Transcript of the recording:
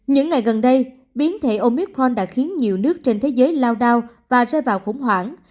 những ngày gần đây biến thể omicron đã khiến nhiều nước trên thế giới lao đao và rơi vào khủng hoảng